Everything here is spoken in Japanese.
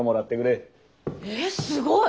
えすごい！